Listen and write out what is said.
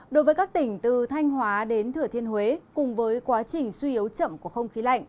đối với các tỉnh từ thanh hóa đến thừa thiên huế cùng với quá trình suy yếu chậm của không khí lạnh